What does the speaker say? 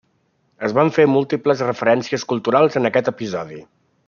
Es van fer múltiples referències culturals en aquest episodi.